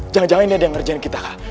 jangan jangan ini ada yang ngerjain kita